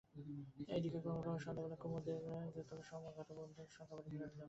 এদিকে ক্রমে ক্রমে সন্ধ্যাবেলা কুমুদের সমাগত বন্ধুর সংখ্যা বাড়িতে থাকে, রীতিমতো আড্ডা বসে।